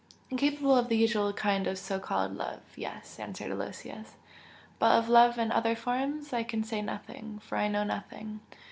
"Incapable of the usual kind of so called 'love' yes!" answered Aloysius "But of love in other forms I can say nothing, for I know nothing!